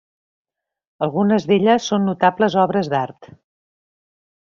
Algunes d'elles són notables obres d'art.